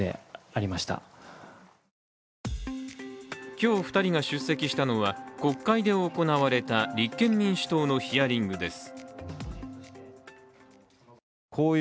今日２人が出席したのは国会で行われた立憲民主党のヒアリングです。